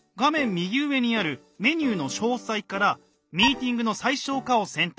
右上にあるメニューの「詳細」から「ミーティングの最小化」を選択。